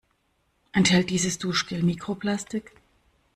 Enthält dieses Duschgel Mikroplastik?